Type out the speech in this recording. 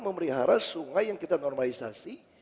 memelihara sungai yang kita normalisasi